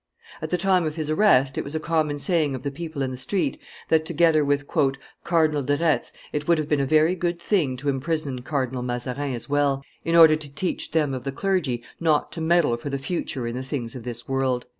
At the time of his arrest, it was a common saying of the people in the street that together with "Cardinal de Retz it would have been a very good thing to imprison Cardinal Mazarin as well, in order to teach them of the clergy not to meddle for the future in the things of this world."